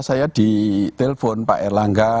saya di telpon pak erlangga